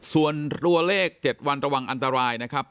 ส่วนตัวเลข๗วันระวังอันตรายนะครับ